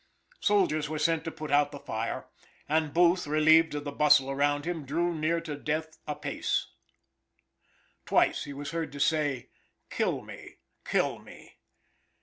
Soldiers were sent to put out the fire, and Booth, relieved of the bustle around him, drew near to death apace. Twice he was heard to say, "kill me, kill me."